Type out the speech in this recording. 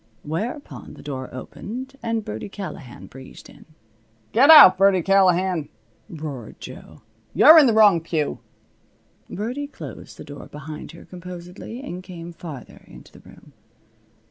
Whereupon the door opened and Birdie Callahan breezed in. "Get out, Birdie Callahan," roared Jo. "You're in the wrong pew." Birdie closed the door behind her composedly and came farther into the room.